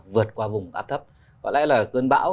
vượt qua vùng áp thấp có lẽ là cơn bão